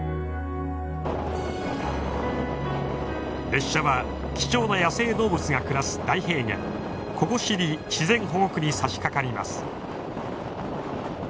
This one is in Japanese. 列車は貴重な野生動物が暮らす大平原ココシリ自然保護区にさしかかります。